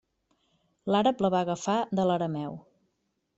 L'àrab la va agafar de l'arameu.